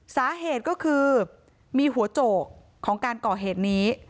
สาเหตุก็คือมีหัวโจกของการก่อเหตุนี้